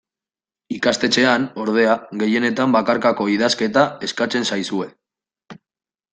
Ikastetxean, ordea, gehienetan bakarkako idazketa eskatzen zaizue.